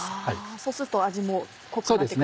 そうすると味も濃くなって来るんですか？